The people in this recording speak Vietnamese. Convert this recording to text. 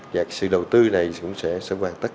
thực sự đầu tư này cũng sẽ hoàn tất